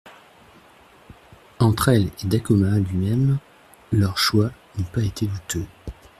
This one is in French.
Entre elle et Dacoma lui-même, leur choix n'eût pas été douteux.